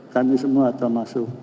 kami semua yang masuk